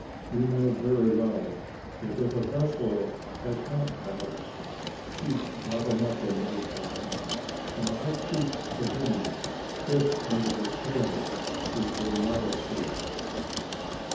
You know very well that if a vessel has not ballast, she's bottom up in no time. Now, what keeps a woman stiff under her canvas is her modesty."